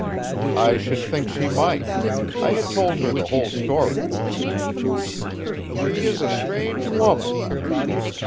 "I should think she might. I had told her the whole story." "She is a strange woman."